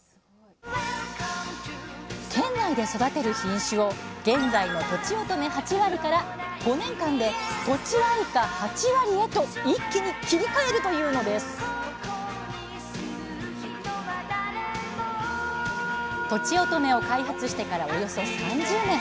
県内で育てる品種を現在のとちおとめ８割から５年間でとちあいか８割へと一気に切り替えるというのですとちおとめを開発してからおよそ３０年。